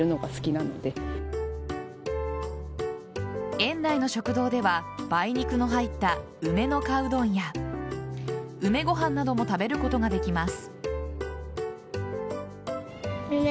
園内の食堂では梅肉の入った梅の香うどんや梅ご飯なども食べることができます。